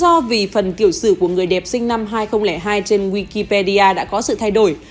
do vì phần tiểu sử của người đẹp sinh năm hai nghìn hai trên wikipedia đã có sự thay đổi